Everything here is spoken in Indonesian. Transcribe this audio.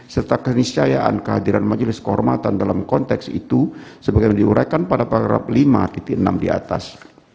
serta keniscayaan kehadiran majelis kehormatan dalam konteks itu sebagai yang diuraikan pada para lima enam di atas